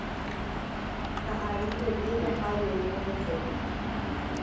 Ka'aru peve jaha jeýta hese.